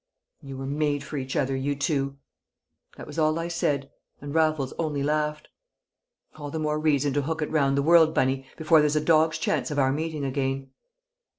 "You were made for each other, you two!" That was all I said, and Raffles only laughed. "All the more reason to hook it round the world, Bunny, before there's a dog's chance of our meeting again."